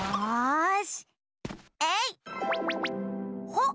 ほっ！